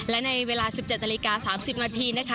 และในเวลา๑๗นาฬิกา๓๐นาทีนะคะ